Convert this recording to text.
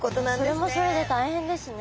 それもそれで大変ですね。